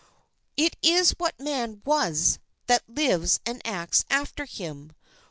It is what man was that lives and acts after him.